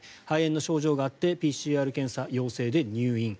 肺炎の症状があってＰＣＲ検査、陽性で入院。